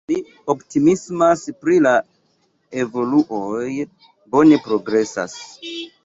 Mi optimismas pri la evoluoj, bone progresas.